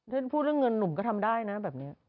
ถ้าพูดเรื่องเงินหนุ่มก็ทำได้นะแบบนี้